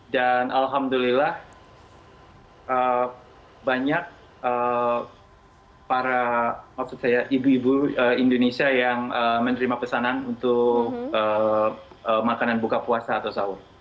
dan alhamdulillah banyak para maksud saya ibu ibu indonesia yang menerima pesanan untuk makanan buka puasa atau sahur